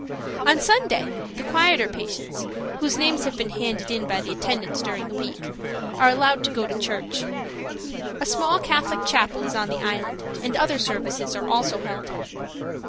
On Sunday the quieter patients, whose names have been handed in by the attendants during the week, are allowed to go to church. A small Catholic chapel is on the island, and other services are also held.